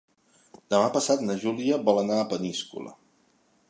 Demà passat na Júlia vol anar a Peníscola.